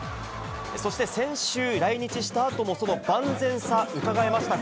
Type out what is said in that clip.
そして先週、来日したあとも、その万全さ、うかがえました。